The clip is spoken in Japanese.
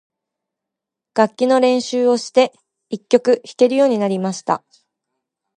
楽器の練習をして、一曲弾けるようになりました。